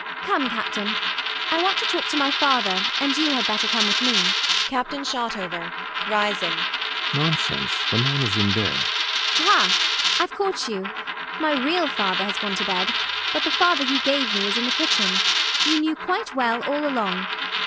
Come, Captain: I want to talk to my father; and you had better come with me. CAPTAIN SHOTOVER [rising]. Nonsense! the man is in bed. ELLIE. Aha! I've caught you. My real father has gone to bed; but the father you gave me is in the kitchen. You knew quite well all along.